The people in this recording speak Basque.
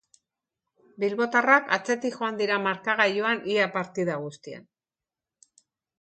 Bilbotarrak atzetik joan dira markagailuan ia partida guztian.